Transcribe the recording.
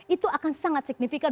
itu akan sangat signifikan